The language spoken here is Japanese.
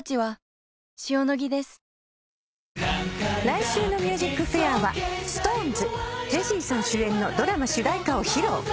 来週の『ＭＵＳＩＣＦＡＩＲ』はＳｉｘＴＯＮＥＳジェシーさん主演のドラマ主題歌を披露。